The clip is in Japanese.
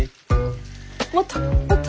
もっともっと。